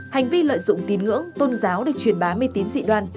hành vi lợi dụng tín ngưỡng tôn giáo để truyền bá mê tín dị đoan